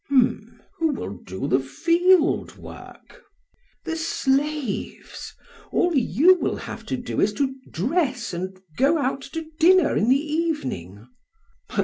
BLEPS. Who will do the field work? PRAX. The slaves; all you will have to do is to dress and go out to dinner in the evening.